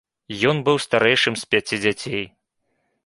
Ён быў старэйшым з пяці дзяцей.